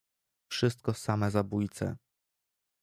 "Wszystko same zabójce."